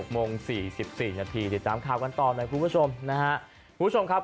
๖โมง๔๔นาทีกเต็มคาวกันต่อให้ผู้ผู้ชมนะฮะผู้ชมครับ